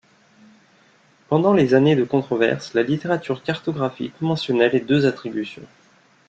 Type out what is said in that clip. Pendant les années de controverse, la littérature cartographique mentionnait les deux attributions.